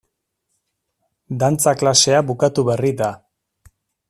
Dantza klasea bukatu berri da.